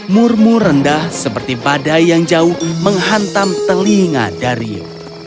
murmu rendah seperti badai yang jauh menghantam telinga dario